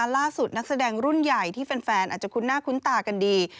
นักแสดงรุ่นใหญ่ที่แฟนอาจจะคุ้นหน้าคุ้นตากันดี